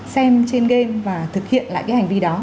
xem trên game và thực hiện lại cái hành vi đó